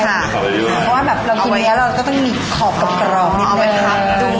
ขอบไว้ด้วยเพราะว่าแบบเรากินเนี้ยเราก็ต้องมีขอบกับกรอบนิดนึง